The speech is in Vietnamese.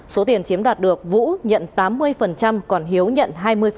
số tiền chiếm đạt được vũ nhận tám mươi còn hiếu nhận hai mươi